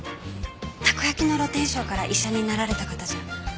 たこ焼きの露天商から医者になられた方じゃ？